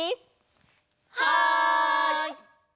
はい！